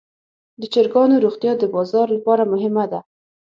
د چرګانو روغتیا د بازار لپاره مهمه ده.